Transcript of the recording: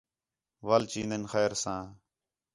وَل چیندین خیر ساں